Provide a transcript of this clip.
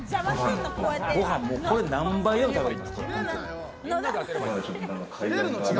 ご飯、もうこれ何杯でも食べれます。